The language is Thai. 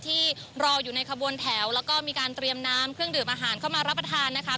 ที่รออยู่ในขบวนแถวแล้วก็มีการเตรียมน้ำเครื่องดื่มอาหารเข้ามารับประทานนะคะ